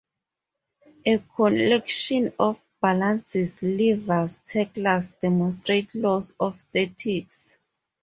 A collection of balances, levers, tackles demonstrate laws of statics.